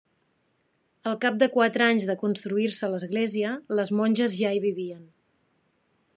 Al cap de quatre anys de construir-se l'església, les monges ja hi vivien.